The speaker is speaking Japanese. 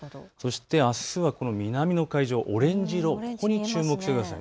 あすは南の海上、オレンジ色、ここに注目してください。